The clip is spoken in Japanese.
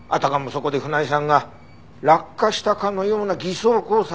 そこで船井さんが落下したかのような偽装工作をした。